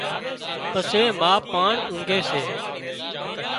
پسي ما پان اونگھي سي